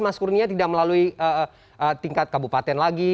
mas kurnia tidak melalui tingkat kabupaten lagi